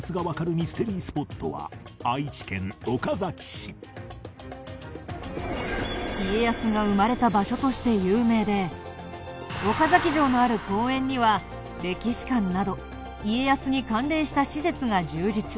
ミステリースポットは家康が生まれた場所として有名で岡崎城のある公園には歴史館など家康に関連した施設が充実。